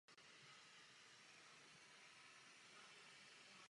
Podle mého názoru je to správný postup.